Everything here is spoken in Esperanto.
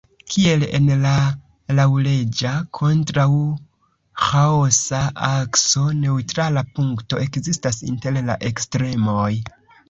Kiel en la laŭleĝa-kontraŭ-ĥaosa akso, neŭtrala punkto ekzistas inter la ekstremoj.